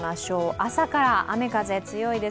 朝から雨、風、強いです。